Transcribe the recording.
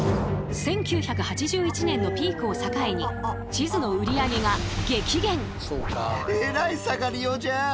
１９８１年のピークを境に地図の売り上げが激減。